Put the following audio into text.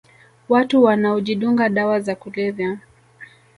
Watu wanaojidunga dawa za kulevya